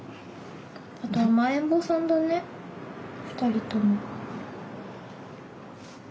あと甘えん坊さんだね２人とも。